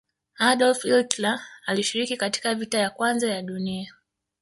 hdolf Hilter alishiriki katika vita ya kwanza ya dunia